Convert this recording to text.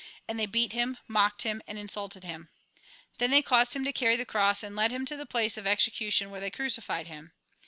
And they beat him, mocked him, and insulted him. Then they caused him to carry the cross, and led him to the place of execu tion, where they crucified him.